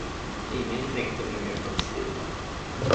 Ingen tänkte nu mer på att strida.